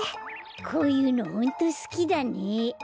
こういうのホントすきだね。